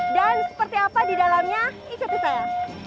dan seperti apa di dalamnya ikuti saya